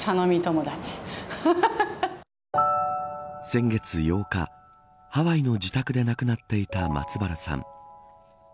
先月８日、ハワイの自宅で亡くなっていた松原さん。